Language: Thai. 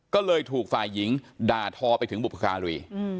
ก็เลยถูกฝ่ายหญิงด่าทอไปถึงบุพการี